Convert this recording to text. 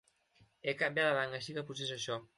He canviat de banc així que potser és això.